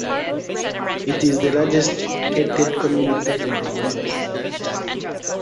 It is the largest gated community in the United States.